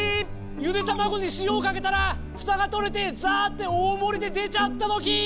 ゆで卵に塩をかけたらふたが取れてザーッて大盛りで出ちゃったときー！